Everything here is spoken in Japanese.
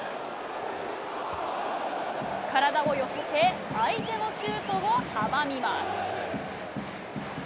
体を寄せて、相手のシュートを阻みます。